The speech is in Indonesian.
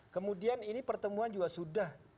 kemudian ini pertemuan juga sudah